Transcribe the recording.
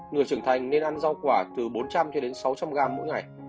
người trưởng thành nên ăn rau quả từ bốn trăm linh sáu trăm linh gram mỗi ngày